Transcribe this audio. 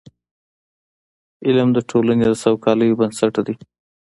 علم د ټولني د سوکالۍ بنسټ دی.